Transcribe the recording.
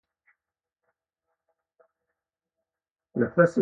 La façon de jouer dans les niveaux change également selon cette même logique.